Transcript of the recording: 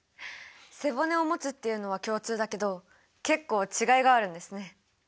背骨をもつっていうのは共通だけど結構違いがあるんですね。